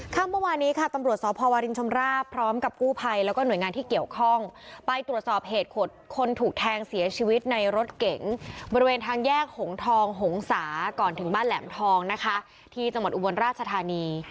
เมื่อวานนี้ค่ะตำรวจสพวรินชำราบพร้อมกับกู้ภัยแล้วก็หน่วยงานที่เกี่ยวข้องไปตรวจสอบเหตุคนถูกแทงเสียชีวิตในรถเก๋งบริเวณทางแยกหงทองหงษาก่อนถึงบ้านแหลมทองนะคะที่จังหวัดอุบลราชธานี